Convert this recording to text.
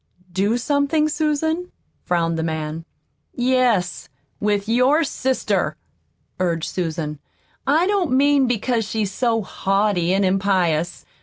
"Do something, Susan?" frowned the man. "Yes, with your sister," urged Susan. "I don't mean because she's so haughty an' impious.